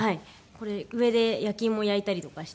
これ上で焼き芋焼いたりとかして。